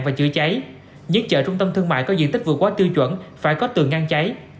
và chữa cháy những chợ trung tâm thương mại có diện tích vừa quá tiêu chuẩn phải có tường ngăn cháy